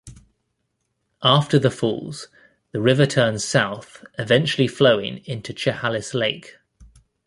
After the falls, the river turns south, eventually flowing into Chehalis Lake.